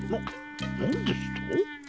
何ですと！